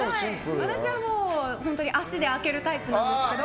私はもう本当に足で開けるタイプなんですけど。